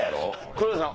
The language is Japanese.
黒田さん